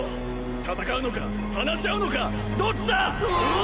戦うのか話し合うのかどっちだ！